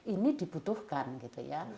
ini dibutuhkan gitu ya